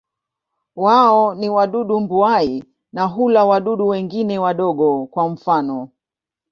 Wao ni wadudu mbuai na hula wadudu wengine wadogo, kwa mfano.